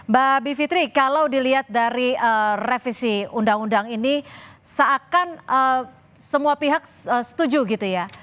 mbak bivitri kalau dilihat dari revisi undang undang ini seakan semua pihak setuju gitu ya